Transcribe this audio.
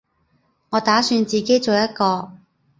我打算自己做一個